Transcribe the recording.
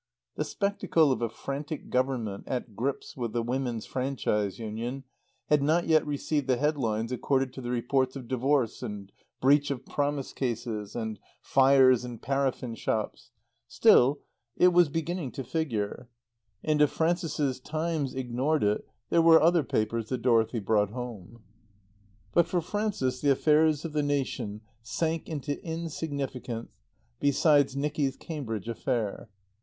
The spectacle of a frantic Government at grips with the Women's Franchise Union had not yet received the head lines accorded to the reports of divorce and breach of promise cases and fires in paraffin shops; still, it was beginning to figure, and if Frances's Times ignored it, there were other papers that Dorothy brought home. But for Frances the affairs of the nation sank into insignificance beside Nicky's Cambridge affair.